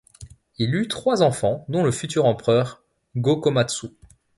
Il eut trois enfants, dont le futur empereur Go-Komatsu.